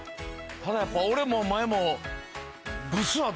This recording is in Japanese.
ただやっぱ俺もお前も。